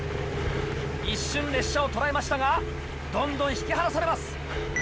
一瞬列車を捉えましたがどんどん引き離されます。